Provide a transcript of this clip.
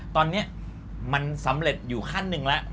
ตอนนี้มันสำเร็จอยู่ขั้นหนึ่งแล้ว